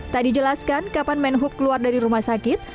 tak dijelaskan kapan menhub keluar dari rumah sakit